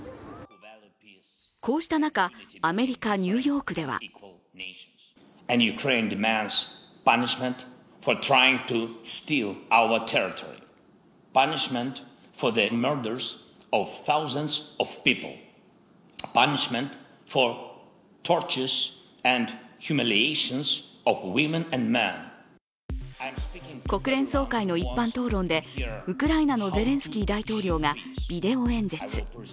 こうした中、アメリカ・ニューヨークでは国連総会の一般討論でウクライナのゼレンスキー大統領がビデオ演説。